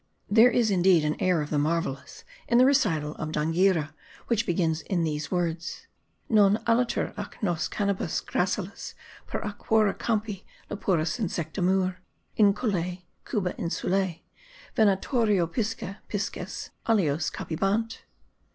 There is indeed an air of the marvellous in the recital of d'Anghiera, which begins in these words: Non aliter ac nos canibus gallicis per aequora campi lepores insectamur, incolae [Cubae insulae] venatorio pisce pisces alios capiebant.